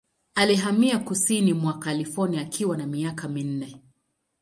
Alihamia kusini mwa California akiwa na miaka minne.